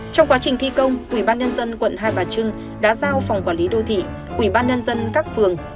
trong quá trình thi công ủy ban nhân dân quận hai bà trưng đã giao phòng quản lý đô thị ủy ban nhân dân các phường